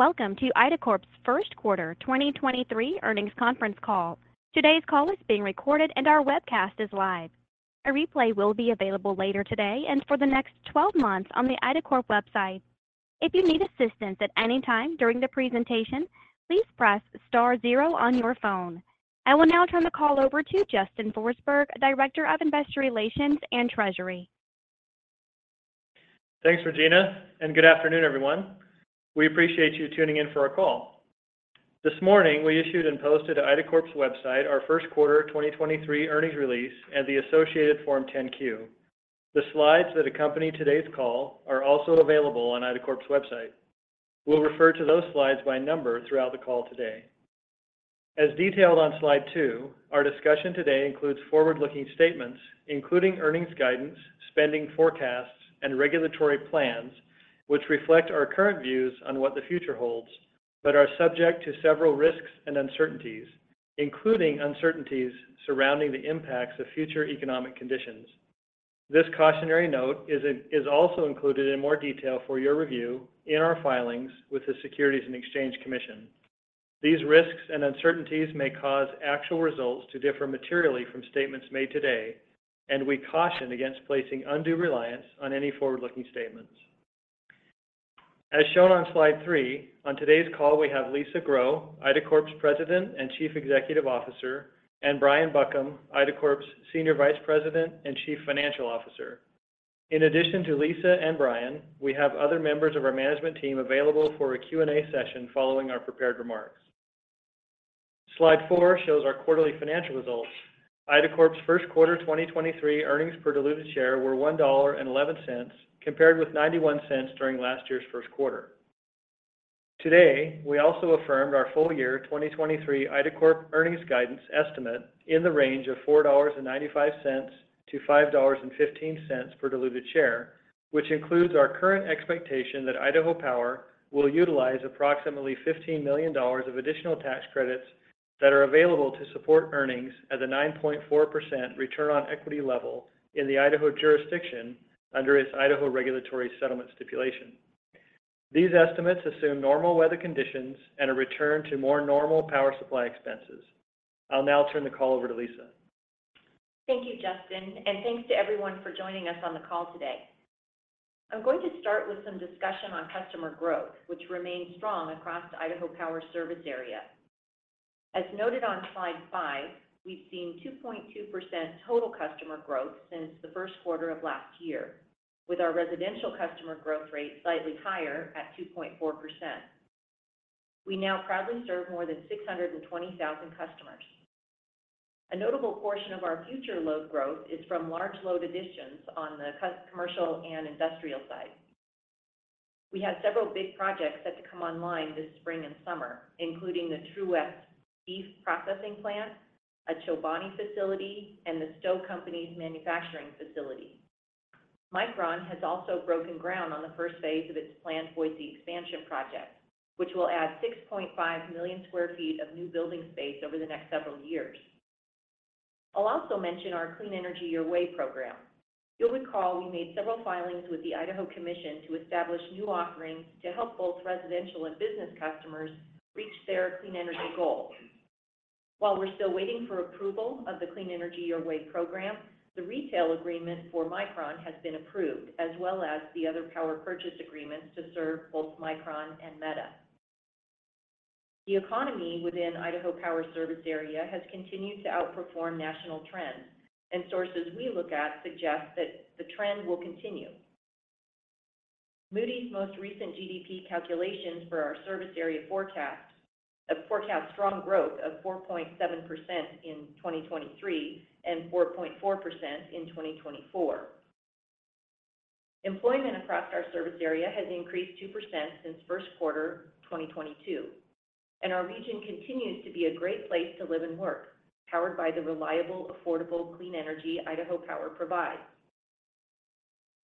Welcome to IDACORP, Inc.'s First Quarter 2023 Earnings Conference Call. Today's call is being recorded, and our webcast is live. A replay will be available later today and for the next 12 months on the IDACORP, Inc. website. If you need assistance at any time during the presentation, please press star zero on your phone. I will now turn the call over to Justin Forsberg, Director of Investor Relations and Treasury. Thanks, Regina, good afternoon, everyone. We appreciate you tuning in for our call. This morning, we issued and posted to IDACORP's website our first quarter 2023 earnings release and the associated Form 10-Q. The slides that accompany today's call are also available on IDACORP's website. We'll refer to those slides by number throughout the call today. As detailed on slide 2, our discussion today includes forward-looking statements, including earnings guidance, spending forecasts, and regulatory plans, which reflect our current views on what the future holds, but are subject to several risks and uncertainties, including uncertainties surrounding the impacts of future economic conditions. This cautionary note is also included in more detail for your review in our filings with the Securities and Exchange Commission. These risks and uncertainties may cause actual results to differ materially from statements made today. We caution against placing undue reliance on any forward-looking statements. As shown on slide three, on today's call, we have Lisa Grow, IDACORP's President and Chief Executive Officer, and Brian Buckham, IDACORP's Senior Vice President and Chief Financial Officer. In addition to Lisa and Brian, we have other members of our management team available for a Q&A session following our prepared remarks. Slide four shows our quarterly financial results. IDACORP's first quarter 2023 earnings per diluted share were $1.11 compared with $0.91 during last year's first quarter. Today, we also affirmed our full year 2023 IDACORP earnings guidance estimate in the range of $4.95 to $5.15 per diluted share, which includes our current expectation that Idaho Power will utilize approximately $15 million of additional tax credits that are available to support earnings at a 9.4% return on equity level in the Idaho jurisdiction under its Idaho Regulatory Settlement Stipulation. These estimates assume normal weather conditions and a return to more normal power supply expenses. I'll now turn the call over to Lisa. Thank you, Justin, and thanks to everyone for joining us on the call today. I'm going to start with some discussion on customer growth, which remains strong across the Idaho Power service area. As noted on slide 5, we've seen 2.2% total customer growth since the 1st quarter of last year, with our residential customer growth rate slightly higher at 2.4%. We now proudly serve more than 620,000 customers. A notable portion of our future load growth is from large load additions on the commercial and industrial side. We have several big projects set to come online this spring and summer, including the True West Beef processing plant, a Chobani facility, and The Stow Company's manufacturing facility. Micron has also broken ground on the first phase of its planned Boise expansion project, which will add 6.5 million sq ft of new building space over the next several years. I'll also mention our Clean Energy Your Way program. You'll recall we made several filings with the Idaho Commission to establish new offerings to help both residential and business customers reach their clean energy goals. While we're still waiting for approval of the Clean Energy Your Way program, the retail agreement for Micron has been approved, as well as the other power purchase agreements to serve both Micron and Meta. The economy within Idaho Power service area has continued to outperform national trends. Sources we look at suggest that the trend will continue. Moody's most recent GDP calculations for our service area forecasts, forecast strong growth of 4.7% in 2023 and 4.4% in 2024. Employment across our service area has increased 2% since first quarter 2022. Our region continues to be a great place to live and work, powered by the reliable, affordable, clean energy Idaho Power provides.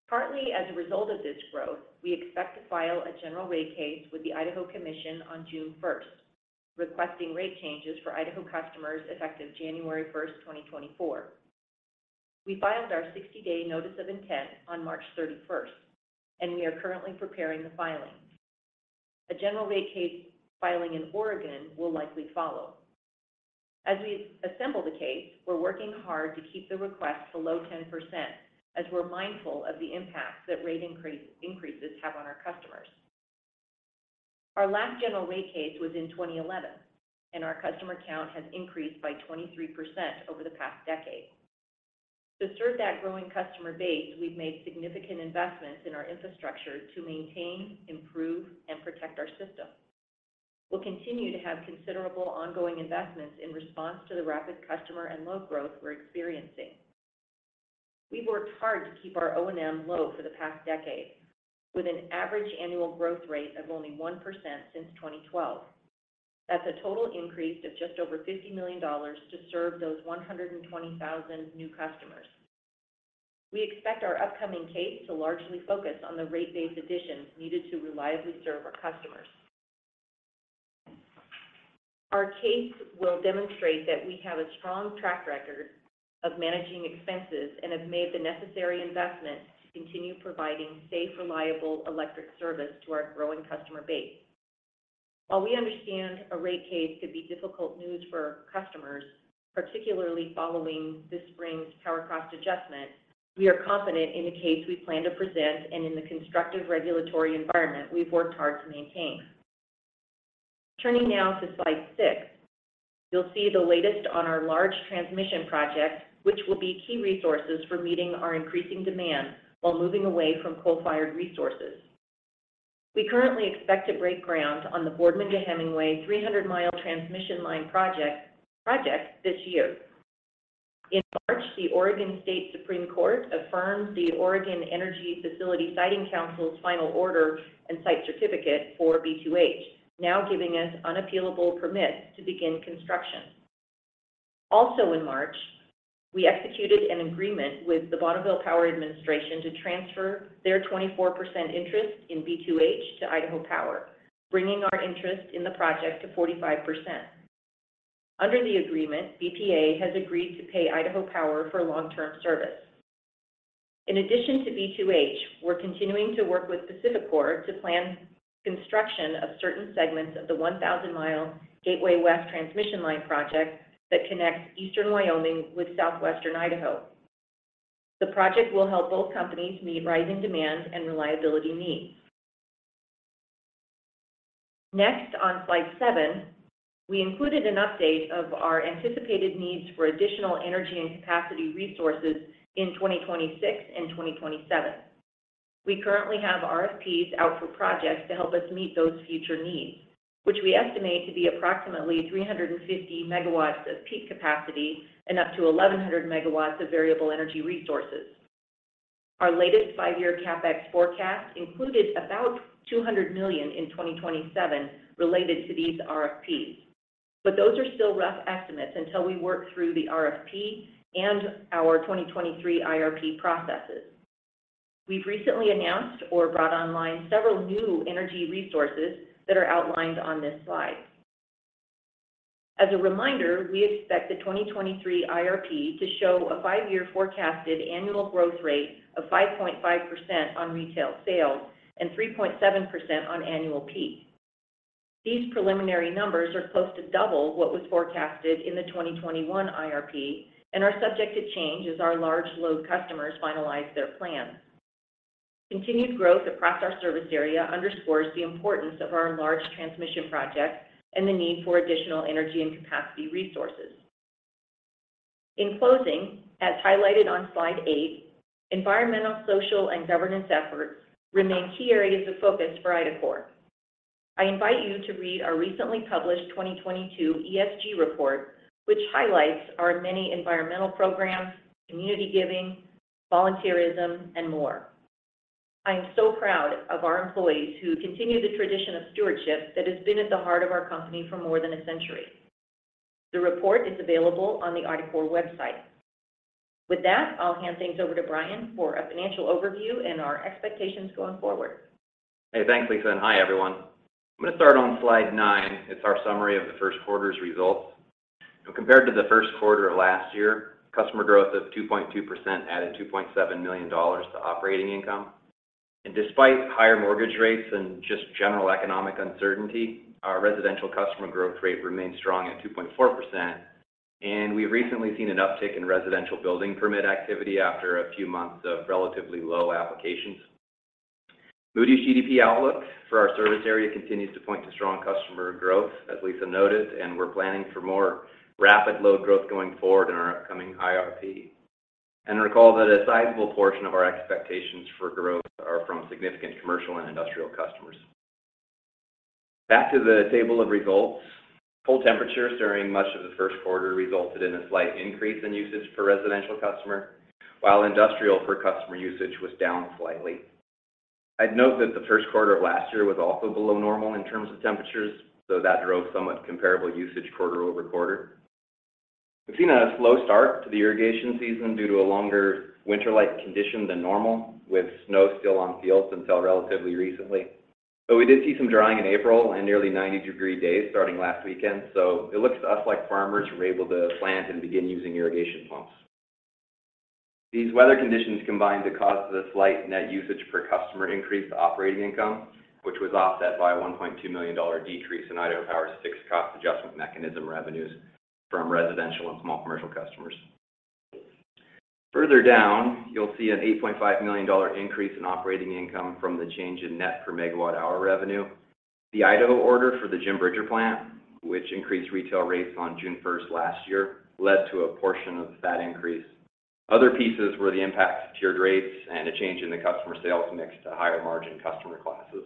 Partly as a result of this growth, we expect to file a general rate case with the Idaho Commission on June first, requesting rate changes for Idaho customers effective January first, 2024. We filed our 60-day notice of intent on March thirty-first. We are currently preparing the filing. A general rate case filing in Oregon will likely follow. As we assemble the case, we're working hard to keep the request below 10%, as we're mindful of the impact that rate increases have on our customers. Our last general rate case was in 2011, our customer count has increased by 23% over the past decade. To serve that growing customer base, we've made significant investments in our infrastructure to maintain, improve, and protect our system. We'll continue to have considerable ongoing investments in response to the rapid customer and load growth we're experiencing. We've worked hard to keep our O&M low for the past decade, with an average annual growth rate of only 1% since 2012. That's a total increase of just over $50 million to serve those 120,000 new customers. We expect our upcoming case to largely focus on the rate base additions needed to reliably serve our customers. Our case will demonstrate that we have a strong track record of managing expenses and have made the necessary investments to continue providing safe, reliable electric service to our growing customer base. While we understand a rate case could be difficult news for customers, particularly following this spring's Power Cost Adjustment, we are confident in the case we plan to present and in the constructive regulatory environment we've worked hard to maintain. Turning now to slide 6, you'll see the latest on our large transmission project, which will be key resources for meeting our increasing demand while moving away from coal-fired resources. We currently expect to break ground on the Boardman to Hemingway 300-mile Transmission Line Project this year. In March, the Oregon Supreme Court affirmed the Oregon Energy Facility Siting Council's final order and site certificate for B2H, now giving us unappealable permits to begin construction. Also in March, we executed an agreement with the Bonneville Power Administration to transfer their 24% interest in B2H to Idaho Power, bringing our interest in the project to 45%. Under the agreement, BPA has agreed to pay Idaho Power for long-term service. In addition to B2H, we're continuing to work with PacifiCorp to plan construction of certain segments of the 1,000-mile Gateway West Transmission Line Project that connects Eastern Wyoming with Southwestern Idaho. The project will help both companies meet rising demand and reliability needs. On slide 7, we included an update of our anticipated needs for additional energy and capacity resources in 2026 and 2027. We currently have RFPs out for projects to help us meet those future needs, which we estimate to be approximately 350 MW of peak capacity and up to 1,100 MW of variable energy resources. Our latest five-year CapEx forecast included about $200 million in 2027 related to these RFPs, but those are still rough estimates until we work through the RFP and our 2023 IRP processes. We've recently announced or brought online several new energy resources that are outlined on this slide. As a reminder, we expect the 2023 IRP to show a five-year forecasted annual growth rate of 5.5% on retail sales and 3.7% on annual peak. These preliminary numbers are close to double what was forecasted in the 2021 IRP and are subject to change as our large load customers finalize their plans. Continued growth across our service area underscores the importance of our large transmission projects and the need for additional energy and capacity resources. In closing, as highlighted on slide 8, environmental, social, and governance efforts remain key areas of focus for IDACORP. I invite you to read our recently published 2022 ESG report, which highlights our many environmental programs, community giving, volunteerism, and more. I am so proud of our employees who continue the tradition of stewardship that has been at the heart of our company for more than a century. The report is available on the IDACORP website. With that, I'll hand things over to Brian for a financial overview and our expectations going forward. Hey, thanks, Lisa. Hi, everyone. I'm going to start on slide 9. It's our summary of the first quarter's results. Compared to the first quarter of last year, customer growth of 2.2% added $2.7 million to operating income. Despite higher mortgage rates and just general economic uncertainty, our residential customer growth rate remains strong at 2.4%. We've recently seen an uptick in residential building permit activity after a few months of relatively low applications. Moody's GDP outlook for our service area continues to point to strong customer growth, as Lisa noted, and we're planning for more rapid load growth going forward in our upcoming IRP. Recall that a sizable portion of our expectations for growth are from significant commercial and industrial customers. Back to the table of results. Cold temperatures during much of the first quarter resulted in a slight increase in usage per residential customer, while industrial per customer usage was down slightly. I'd note that the first quarter of last year was also below normal in terms of temperatures, that drove somewhat comparable usage quarter-over-quarter. We've seen a slow start to the irrigation season due to a longer winter-like condition than normal, with snow still on fields until relatively recently. We did see some drying in April and nearly 90-degree days starting last weekend. It looks to us like farmers were able to plant and begin using irrigation pumps. These weather conditions combined to cause the slight net usage per customer increase to operating income, which was offset by a $1.2 million decrease in Idaho Power Fixed Cost Adjustment Mechanism revenues from residential and small commercial customers. Further down, you'll see an $8.5 million increase in operating income from the change in net per MWh revenue. The Idaho order for the Jim Bridger plant, which increased retail rates on June 1 last year, led to a portion of that increase. Other pieces were the impact of tiered rates and a change in the customer sales mix to higher margin customer classes.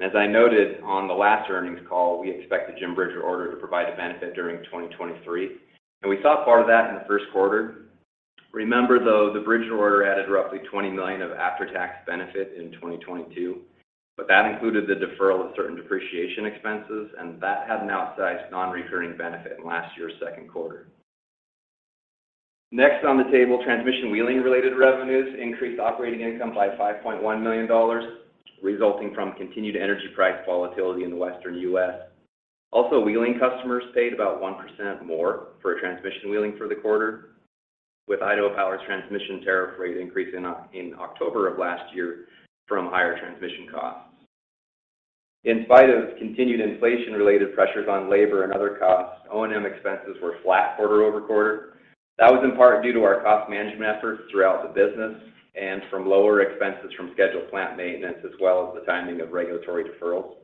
As I noted on the last earnings call, we expect the Jim Bridger order to provide a benefit during 2023. We saw part of that in the first quarter. Remember, though, the Bridger order added roughly $20 million of after-tax benefit in 2022, but that included the deferral of certain depreciation expenses, and that had an outsized non-recurring benefit in last year's second quarter. Next on the table, transmission wheeling related revenues increased operating income by $5.1 million, resulting from continued energy price volatility in the Western U.S. Also, wheeling customers paid about 1% more for transmission wheeling for the quarter, with Idaho Power's transmission tariff rate increase in October of last year from higher transmission costs. In spite of continued inflation-related pressures on labor and other costs, O&M expenses were flat quarter-over-quarter. That was in part due to our cost management efforts throughout the business and from lower expenses from scheduled plant maintenance, as well as the timing of regulatory deferrals.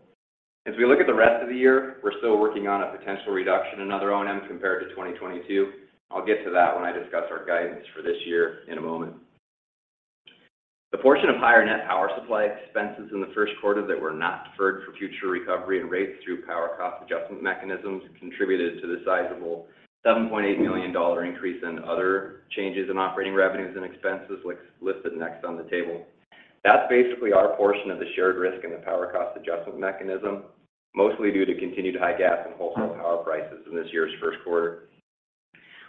As we look at the rest of the year, we're still working on a potential reduction in other O&M compared to 2022. I'll get to that when I discuss our guidance for this year in a moment. The portion of higher net power supply expenses in the first quarter that were not deferred for future recovery and rates through Power Cost Adjustment Mechanisms contributed to the sizable $7.8 million increase in other changes in operating revenues and expenses like listed next on the table. That's basically our portion of the shared risk in the Power Cost Adjustment Mechanism, mostly due to continued high gas and wholesale power prices in this year's first quarter.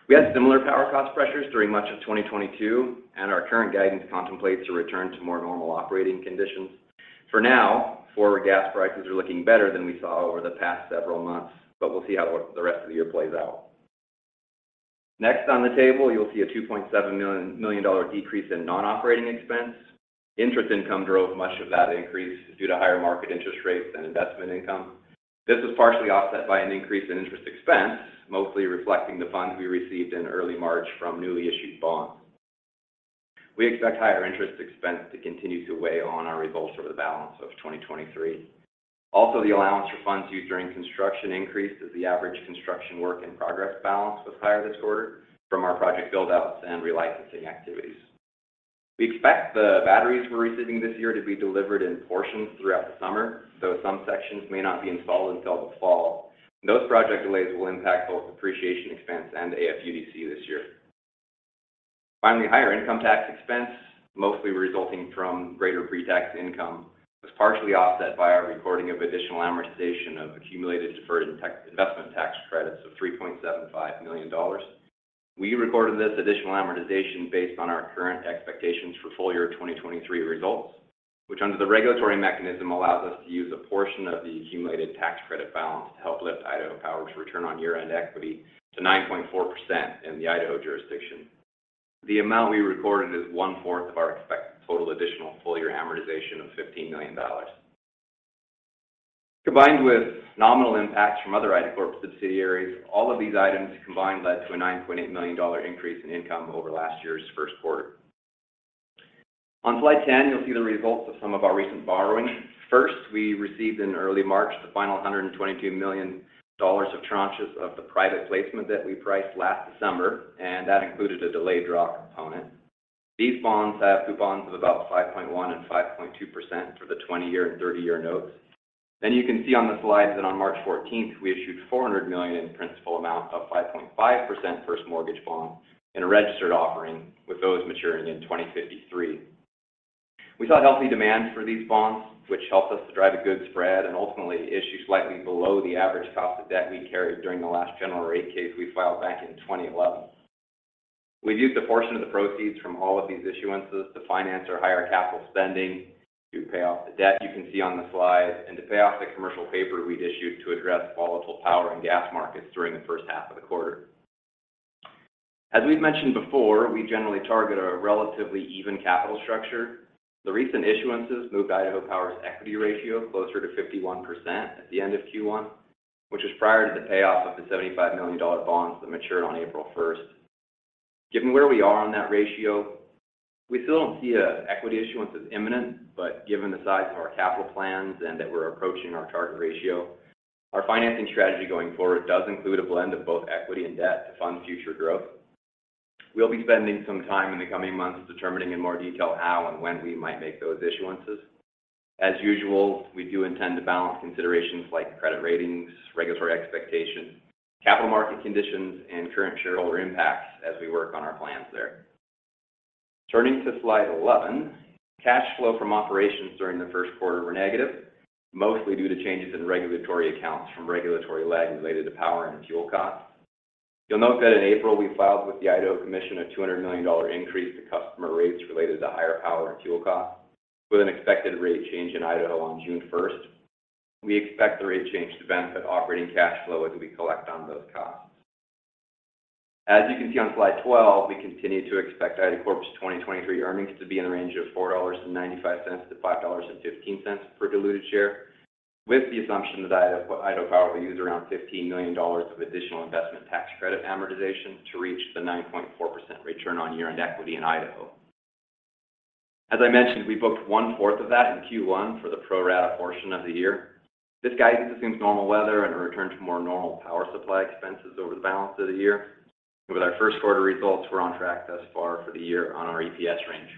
We had similar power cost pressures during much of 2022. Our current guidance contemplates a return to more normal operating conditions. For now, forward gas prices are looking better than we saw over the past several months, but we'll see how the rest of the year plays out. Next on the table, you'll see a $2.7 million decrease in non-operating expense. Interest income drove much of that increase due to higher market interest rates and investment income. This was partially offset by an increase in interest expense, mostly reflecting the funds we received in early March from newly issued bonds. We expect higher interest expense to continue to weigh on our results for the balance of 2023. Also, the Allowance for Funds Used During Construction increased as the average construction work in progress balance was higher this quarter from our project build-outs and relicensing activities. We expect the batteries we're receiving this year to be delivered in portions throughout the summer. Some sections may not be installed until the fall. Those project delays will impact both depreciation expense and AFUDC this year. Finally, higher income tax expense, mostly resulting from greater pre-tax income, was partially offset by our recording of additional amortization of accumulated deferred investment tax credits of $3.75 million. We recorded this additional amortization based on our current expectations for full year 2023 results, which under the regulatory mechanism allows us to use a portion of the accumulated tax credit balance to help lift Idaho Power's return on year-end equity to 9.4% in the Idaho jurisdiction. The amount we recorded is one fourth of our expected total additional full year amortization of $15 million. Combined with nominal impacts from other IDACORP subsidiaries, all of these items combined led to a $9.8 million increase in income over last year's first quarter. On slide 10, you'll see the results of some of our recent borrowing. First, we received in early March the final $122 million of tranches of the private placement that we priced last December, and that included a delayed draw component. These bonds have coupons of about 5.1% and 5.2% for the 20-year and 30-year notes. You can see on the slide that on March 14th, we issued $400 million in principal amount of 5.5% First Mortgage Bonds in a registered offering with those maturing in 2053. We saw healthy demand for these bonds, which helped us to drive a good spread and ultimately issue slightly below the average cost of debt we carried during the last general rate case we filed back in 2011. We've used a portion of the proceeds from all of these issuances to finance our higher capital spending to pay off the debt you can see on the slide and to pay off the commercial paper we'd issued to address volatile power and gas markets during the first half of the quarter. As we've mentioned before, we generally target a relatively even capital structure. The recent issuances moved Idaho Power's equity ratio closer to 51% at the end of Q1, which is prior to the payoff of the $75 million bonds that matured on April 1st. Given where we are on that ratio, we still don't see an equity issuance as imminent, but given the size of our capital plans and that we're approaching our target ratio, our financing strategy going forward does include a blend of both equity and debt to fund future growth. We'll be spending some time in the coming months determining in more detail how and when we might make those issuances. As usual, we do intend to balance considerations like credit ratings, regulatory expectations, capital market conditions, and current shareholder impacts as we work on our plans there. Turning to slide 11, cash flow from operations during the first quarter were negative, mostly due to changes in regulatory accounts from regulatory lag related to power and fuel costs. You'll note that in April, we filed with the Idaho Commission a $200 million increase to customer rates related to higher power and fuel costs, with an expected rate change in Idaho on June 1st. We expect the rate change to benefit operating cash flow as we collect on those costs. As you can see on slide 12, we continue to expect IDACORP's 2023 earnings to be in the range of $4.95 to $5.15 per diluted share, with the assumption that Idaho Power will use around $15 million of additional investment tax credit amortization to reach the 9.4% return on year-end equity in Idaho. As I mentioned, we booked one fourth of that in Q1 for the pro rata portion of the year. This guidance assumes normal weather and a return to more normal power supply expenses over the balance of the year. With our first quarter results, we're on track thus far for the year on our EPS range.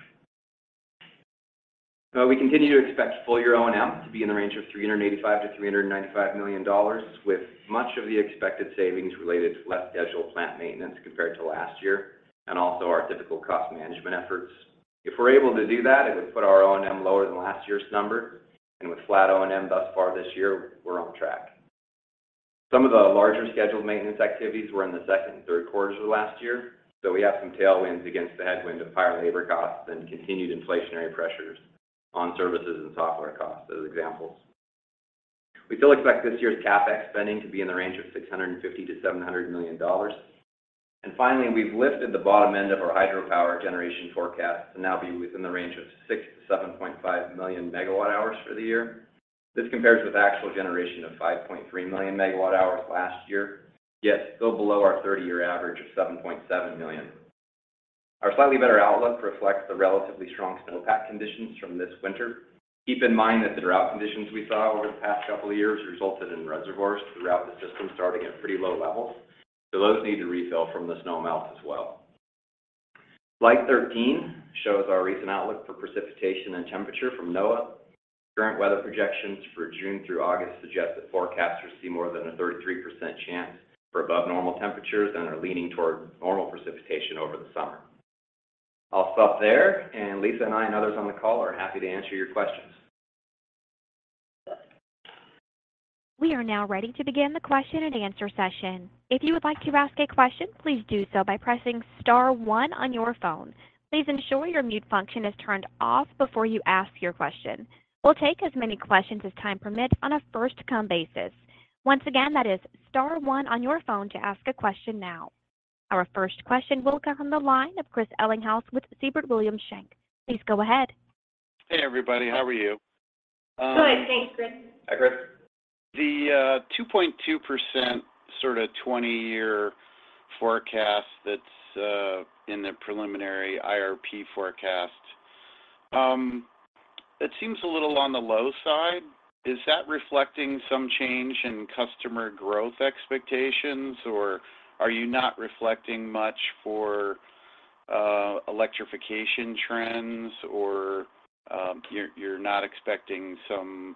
We continue to expect full year O&M to be in the range of $385 million-$395 million, with much of the expected savings related to less scheduled plant maintenance compared to last year and also our difficult cost management efforts. If we're able to do that, it would put our O&M lower than last year's number. With flat O&M thus far this year, we're on track. Some of the larger scheduled maintenance activities were in the second and third quarters of last year. We have some tailwinds against the headwind of higher labor costs and continued inflationary pressures on services and software costs, as examples. We still expect this year's CapEx spending to be in the range of $650 million-$700 million. Finally, we've lifted the bottom end of our hydropower generation forecast to now be within the range of 6-7.5 million MWh for the year. This compares with actual generation of 5.3 million MWh last year, yet still below our 30-year average of 7.7 million. Our slightly better outlook reflects the relatively strong snowpack conditions from this winter. Keep in mind that the drought conditions we saw over the past couple of years resulted in reservoirs throughout the system starting at pretty low levels. Those need to refill from the snow melt as well. Slide 13 shows our recent outlook for precipitation and temperature from NOAA. Current weather projections for June through August suggest that forecasters see more than a 33% chance for above normal temperatures and are leaning toward normal precipitation over the summer. I'll stop there, and Lisa and I, and others on the call are happy to answer your questions. We are now ready to begin the question and answer session. If you would like to ask a question, please do so by pressing star one on your phone. Please ensure your mute function is turned off before you ask your question. We'll take as many questions as time permits on a first-come basis. Once again, that is star one on your phone to ask a question now. Our first question will come from the line of Chris Ellinghaus with Siebert Williams Shank. Please go ahead. Hey, everybody. How are you? Good. Thanks, Chris. Hi, Chris. The 2.2% sort of 20-year forecast that's in the preliminary IRP forecast, that seems a little on the low side. Is that reflecting some change in customer growth expectations, or are you not reflecting much for electrification trends, or you're not expecting some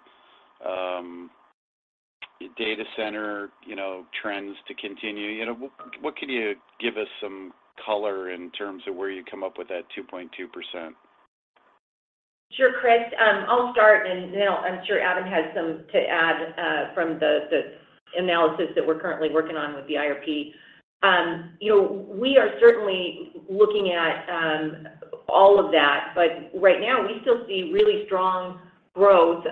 data center, you know, trends to continue? You know, what can you give us some color in terms of where you come up with that 2.2%? Sure, Chris. I'll start, and then I'm sure Adam has some to add from the analysis that we're currently working on with the IRP. You know, we are certainly looking at all of that, but right now we still see really strong growth.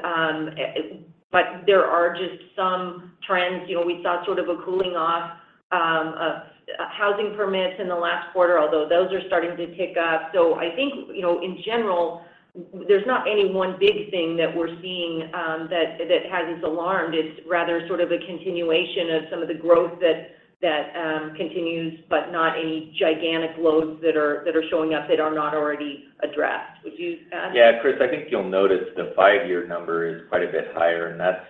There are just some trends. You know, we saw sort of a cooling off of housing permits in the last quarter, although those are starting to tick up. I think, you know, in general, there's not any one big thing that we're seeing that has us alarmed. It's rather sort of a continuation of some of the growth that continues, but not any gigantic loads that are showing up that are not already addressed. Would you add? Chris, I think you'll notice the five-year number is quite a bit higher, and that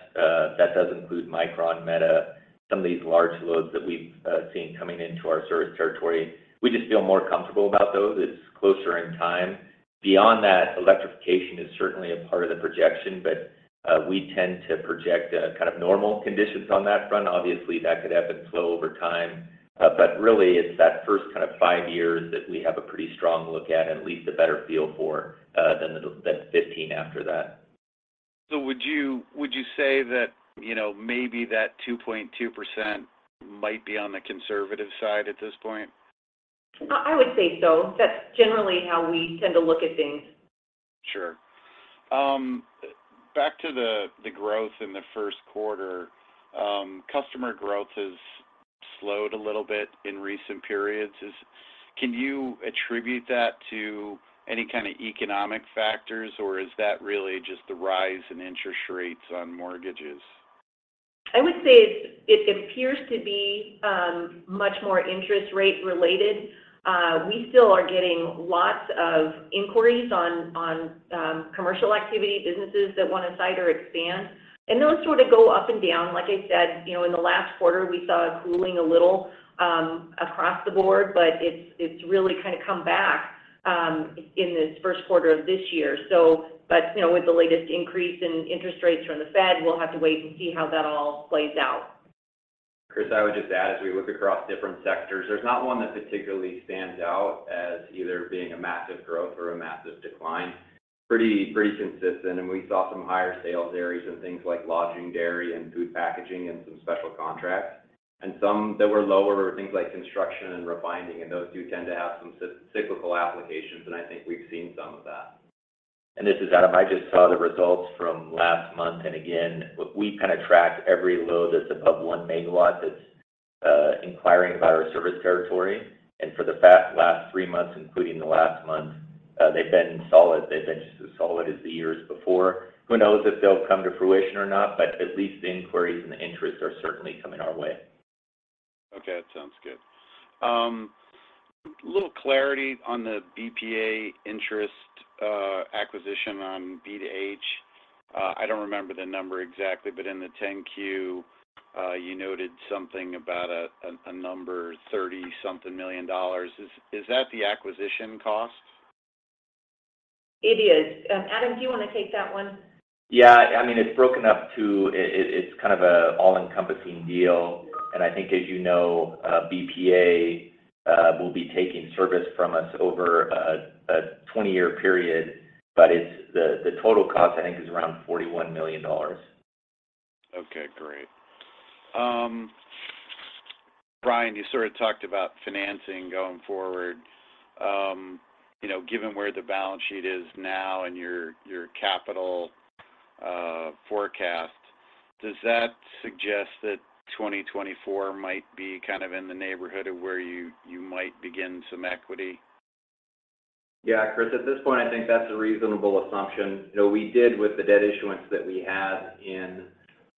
does include Micron, Meta, some of these large loads that we've seen coming into our service territory. We just feel more comfortable about those. It's closer in time. Beyond that, electrification is certainly a part of the projection, but we tend to project kind of normal conditions on that front. Obviously, that could ebb and flow over time. Really, it's that first kind of five years that we have a pretty strong look at, and at least a better feel for than 15 after that. would you say that, you know, maybe that 2.2% might be on the conservative side at this point? I would say so. That's generally how we tend to look at things. Sure. Back to the growth in the first quarter, customer growth has slowed a little bit in recent periods. Can you attribute that to any kind of economic factors, or is that really just the rise in interest rates on mortgages? I would say it appears to be much more interest rate related. We still are getting lots of inquiries on, commercial activity, businesses that want to site or expand. Those sort of go up and down. Like I said, you know, in the last quarter, we saw it cooling a little, across the board. It's, it's really kind of come back, in this first quarter of this year. You know, with the latest increase in interest rates from the Fed, we'll have to wait and see how that all plays out. Chris, I would just add, as we look across different sectors, there's not one that particularly stands out as either being a massive growth or a massive decline. Pretty consistent. We saw some higher sales areas in things like lodging, dairy, and food packaging, and some special contracts. Some that were lower were things like construction and refining, and those do tend to have some cyclical applications, and I think we've seen some of that. This is Adam. I just saw the results from last month, and again, we kind of track every load that's above 1 MW that's inquiring about our service territory. For the last three months, including the last month, they've been solid. They've been just as solid as the years before. Who knows if they'll come to fruition or not, but at least the inquiries and the interests are certainly coming our way. Okay. That sounds good. Little clarity on the BPA interest, acquisition on B2H. I don't remember the number exactly, but in the 10-Q, you noted something about a number, $30-something million. Is that the acquisition cost? It is. Adam, do you wanna take that one? Yeah. I mean, it's broken up. It's kind of a all-encompassing deal. I think as you know, BPA will be taking service from us over a 20-year period, but the total cost I think is around $41 million. Okay, great. Brian, you sort of talked about financing going forward. You know, given where the balance sheet is now and your capital forecast, does that suggest that 2024 might be kind of in the neighborhood of where you might begin some equity? Yeah, Chris, at this point, I think that's a reasonable assumption. You know, we did with the debt issuance that we had in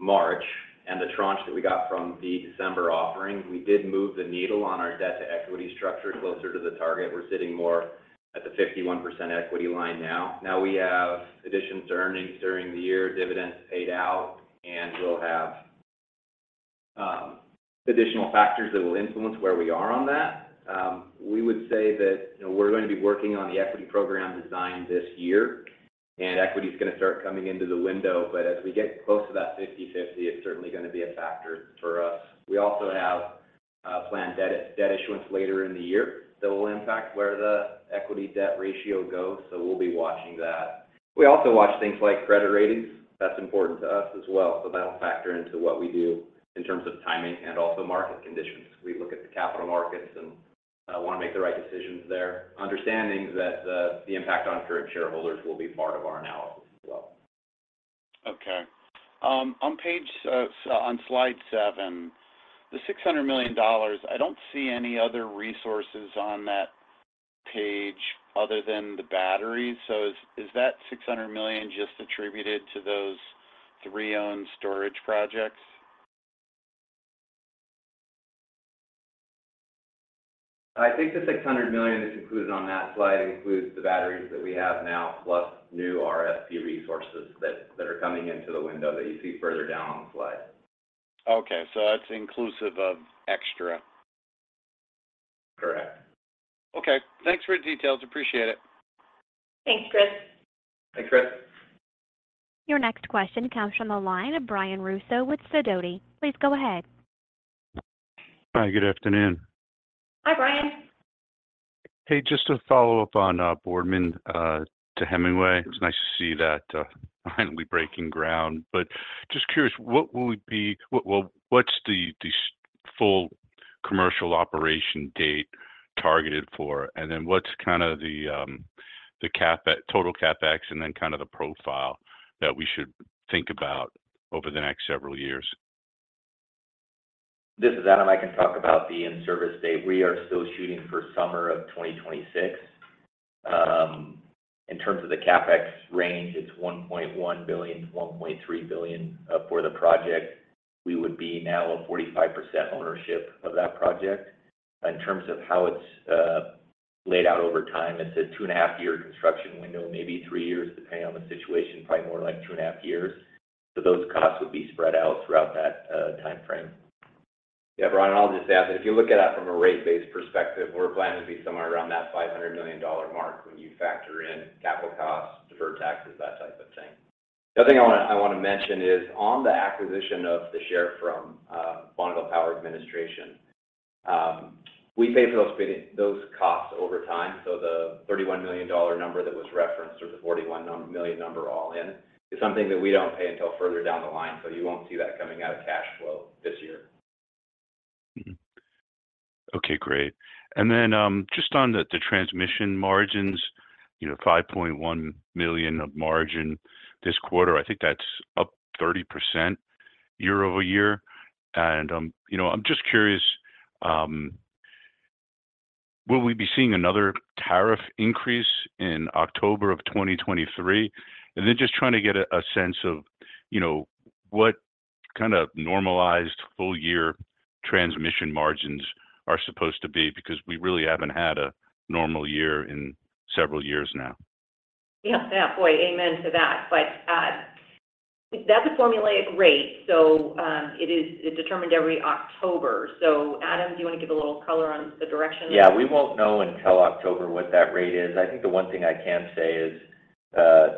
March and the tranche that we got from the December offering, we did move the needle on our debt-to-equity structure closer to the target. We're sitting more at the 51% equity line now. Now we have additions to earnings during the year, dividends paid out, and we'll have additional factors that will influence where we are on that. We would say that, you know, we're going to be working on the equity program design this year, and equity is gonna start coming into the window. As we get close to that 50/50, it's certainly gonna be a factor for us. We also have planned debt issuance later in the year that will impact where the equity debt ratio goes. We'll be watching that. We also watch things like credit ratings. That's important to us as well. That'll factor into what we do in terms of timing and also market conditions. We look at the capital markets and want to make the right decisions there, understanding that the impact on current shareholders will be part of our analysis as well. Okay. On page, on slide 7, the $600 million, I don't see any other resources on that page other than the batteries. Is that $600 million just attributed to those three owned storage projects? I think the $600 million that's included on that slide includes the batteries that we have now, plus new RSP resources that are coming into the window that you see further down on the slide. Okay. That's inclusive of extra. Correct. Okay. Thanks for the details. Appreciate it. Thanks, Chris. Thanks, Chris. Your next question comes from the line of Brian Russo with Sidoti. Please go ahead. Hi, good afternoon. Hi, Brian. Hey, just to follow up on Boardman to Hemingway. It was nice to see that finally breaking ground. Just curious, what's the full commercial operation date targeted for? What's kind of the total CapEx, and then kind of the profile that we should think about over the next several years? This is Adam. I can talk about the in-service date. We are still shooting for summer of 2026. In terms of the CapEx range, it's $1.1 billion-$1.3 billion for the project. We would be now a 45% ownership of that project. In terms of how it's laid out over time, it's a 2.5-year construction window, maybe three years, depending on the situation. Probably more like 2.5 years. Those costs would be spread out throughout that timeframe. Brian, I'll just add that if you look at that from a rate-based perspective, we're planning to be somewhere around that $500 million mark when you factor in capital costs, deferred taxes, that type of thing. The other thing I wanna mention is on the acquisition of the share from Bonneville Power Administration, we pay for those costs over time. The $31 million number that was referenced, or the $41 million number all in, is something that we don't pay until further down the line. You won't see that coming out of cash flow this year. Okay, great. Just on the transmission margins, you know, $5.1 million of margin this quarter. I think that's up 30% year-over-year. You know, I'm just curious, will we be seeing another tariff increase in October 2023? Just trying to get a sense of, you know, what kind of normalized full year transmission margins are supposed to be, because we really haven't had a normal year in several years now. Yeah. Yeah. Boy, amen to that. That's a formulaic rate. It's determined every October. Adam, do you want to give a little color on the direction of that? Yeah. We won't know until October what that rate is. I think the one thing I can say is,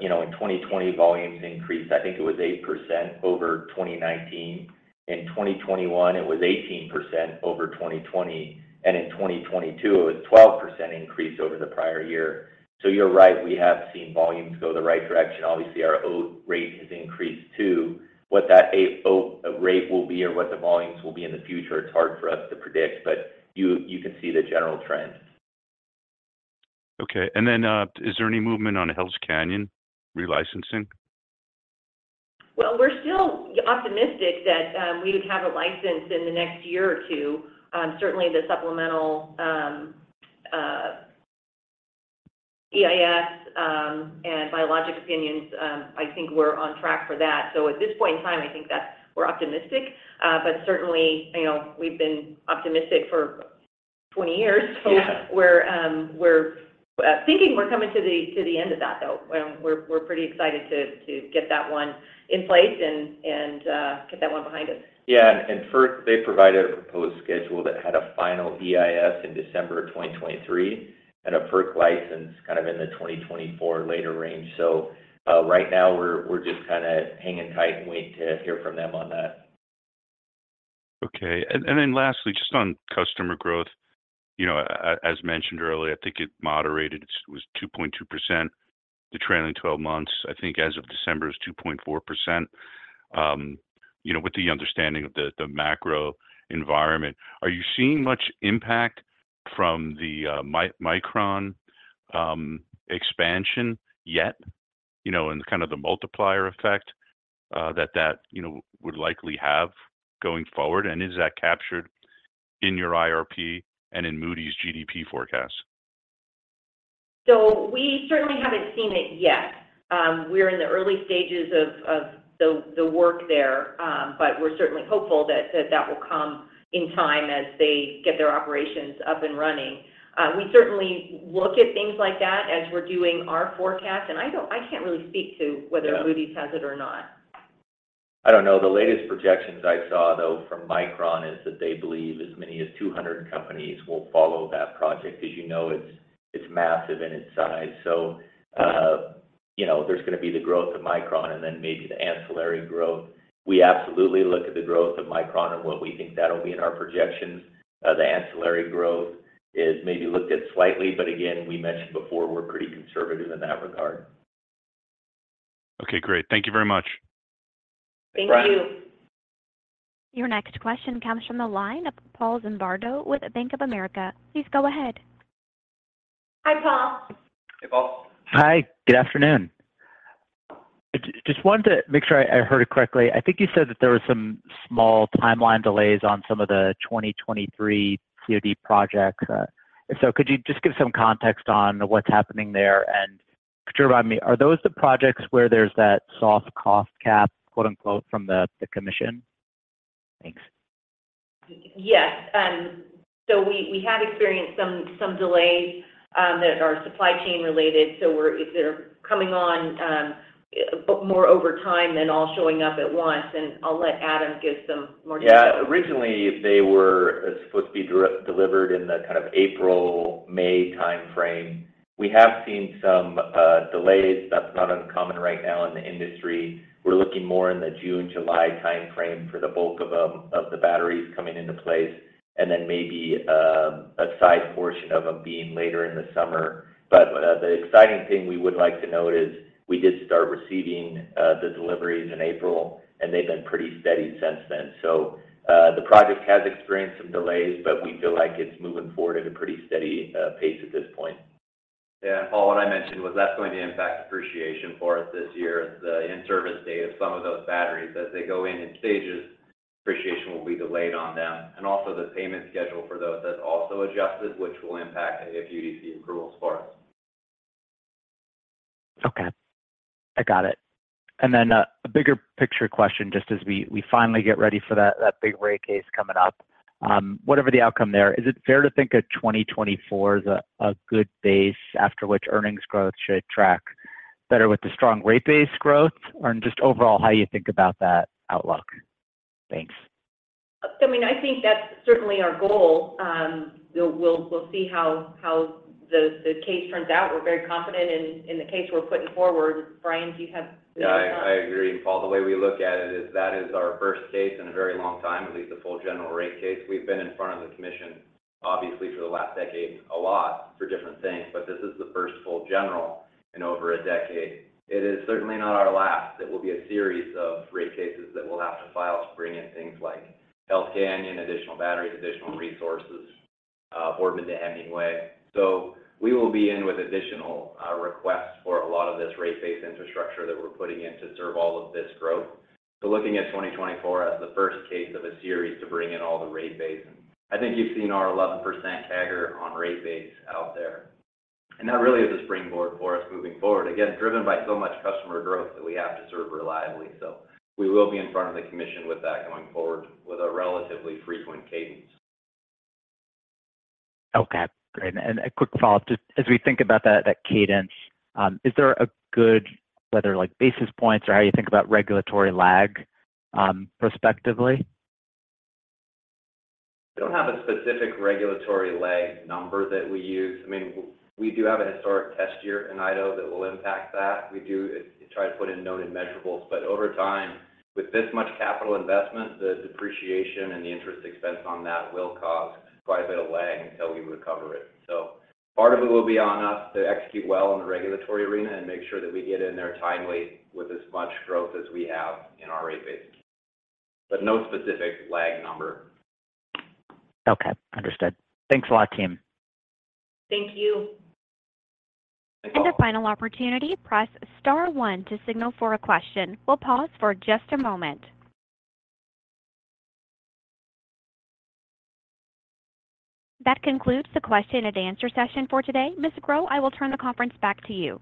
you know, in 2020, volumes increased, I think it was 8% over 2019. In 2021, it was 18% over 2020. In 2022, it was 12% increase over the prior year. You're right, we have seen volumes go the right direction. Obviously, our OATT rate has increased too. What that OATT rate will be or what the volumes will be in the future, it's hard for us to predict, but you can see the general trend. Okay. Is there any movement on Hells Canyon relicensing? We're still optimistic that we would have it licensed in the next year or two. Certainly the supplemental EIS and biologic opinions, I think we're on track for that. At this point in time, I think that we're optimistic. Certainly, you know, we've been optimistic for 20 years. Yeah. We're thinking we're coming to the end of that, though. We're pretty excited to get that one in place and get that one behind us. Yeah. FERC, they provided a proposed schedule that had a final EIS in December of 2023 and a FERC license kind of in the 2024 later range. Right now we're just kinda hanging tight and waiting to hear from them on that. Okay. And then lastly, just on customer growth. You know, as mentioned earlier, I think it moderated. It was 2.2% the trailing 12 months. I think as of December, it's 2.4%. You know, with the understanding of the macro environment, are you seeing much impact from the Micron expansion yet? You know, and kind of the multiplier effect that, you know, would likely have going forward. Is that captured in your IRP and in Moody's GDP forecast? We certainly haven't seen it yet. We're in the early stages of the work there. We're certainly hopeful that that will come in time as they get their operations up and running. We certainly look at things like that as we're doing our forecast. I can't really speak to whether Moody's has it or not. I don't know. The latest projections I saw, though, from Micron is that they believe as many as 200 companies will follow that project. As you know, it's massive in its size. You know, there's gonna be the growth of Micron and then maybe the ancillary growth. We absolutely look at the growth of Micron and what we think that'll be in our projections. The ancillary growth is maybe looked at slightly, but again, we mentioned before we're pretty conservative in that regard. Okay, great. Thank you very much. Thank you. Thank you, Brian. Your next question comes from the line of Paul Zimbardo with Bank of America. Please go ahead. Hi, Paul. Hey, Paul. Hi, good afternoon. Just wanted to make sure I heard it correctly. I think you said that there were some small timeline delays on some of the 2023 COD projects. If so, could you just give some context on what's happening there? Just remind me, are those the projects where there's that soft cost cap, quote-unquote, from the commission? Thanks. Yes. We have experienced some delays that are supply chain related, if they're coming on more over time than all showing up at once. I'll let Adam give some more detail. Originally, they were supposed to be delivered in the kind of April, May timeframe. We have seen some delays. That's not uncommon right now in the industry. We're looking more in the June, July timeframe for the bulk of the batteries coming into place and then maybe a size portion of them being later in the summer. The exciting thing we would like to note is we did start receiving the deliveries in April, and they've been pretty steady since then. The project has experienced some delays, but we feel like it's moving forward at a pretty steady pace at this point. Paul, what I mentioned was that's going to impact depreciation for us this year as the in-service date of some of those batteries. As they go in stages, depreciation will be delayed on them. Also the payment schedule for those has also adjusted, which will impact AFUDC approvals for us. Okay. I got it. A bigger picture question, just as we finally get ready for that big rate case coming up. Whatever the outcome there, is it fair to think of 2024 as a good base after which earnings growth should track better with the strong rate base growth? Just overall, how you think about that outlook? Thanks. I mean, I think that's certainly our goal. We'll see how the case turns out. We're very confident in the case we're putting forward. Brian, do you have any thoughts? Yeah, I agree. Paul, the way we look at it is that is our first case in a very long time, at least a full general rate case. We've been in front of the commission, obviously, for the last decade, a lot for different things. This is the first full general in over a decade. It is certainly not our last. It will be a series of rate cases that we'll have to file to bring in things like Elkhorn, additional batteries, additional resources, Boardman to Hemingway. We will be in with additional requests for a lot of this rate base infrastructure that we're putting in to serve all of this growth. Looking at 2024 as the first case of a series to bring in all the rate base. I think you've seen our 11% CAGR on rate base out there. That really is a springboard for us moving forward, again, driven by so much customer growth that we have to serve reliably. We will be in front of the commission with that going forward with a relatively frequent cadence. Okay, great. A quick follow-up. Just as we think about that cadence, is there a good, whether like basis points or how you think about regulatory lag, prospectively? We don't have a specific regulatory lag number that we use. I mean, we do have a historic test year in Idaho that will impact that. We do try to put in known and measurable, but over time, with this much capital investment, the depreciation and the interest expense on that will cause quite a bit of lag until we recover it. Part of it will be on us to execute well in the regulatory arena and make sure that we get in there timely with as much growth as we have in our rate base. No specific lag number. Okay, understood. Thanks a lot, team. Thank you. Thanks, Paul. A final opportunity, press star one to signal for a question. We'll pause for just a moment. That concludes the question and answer session for today. Ms. Grow, I will turn the conference back to you.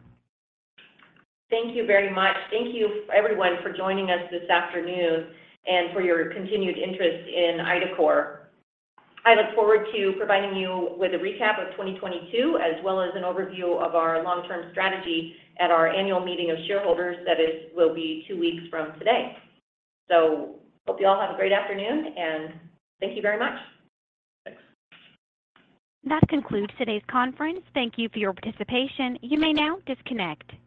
Thank you very much. Thank you everyone for joining us this afternoon and for your continued interest in IDACORP. I look forward to providing you with a recap of 2022, as well as an overview of our long-term strategy at our annual meeting of shareholders. That will be two weeks from today. Hope you all have a great afternoon, and thank you very much. Thanks. That concludes today's conference. Thank you for your participation. You may now disconnect.